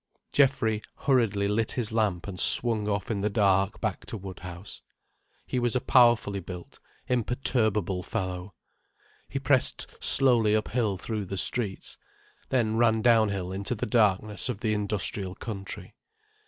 Geoffrey hurriedly lit his lamp and swung off in the dark back to Woodhouse. He was a powerfully built, imperturbable fellow. He pressed slowly uphill through the streets, then ran downhill into the darkness of the industrial country.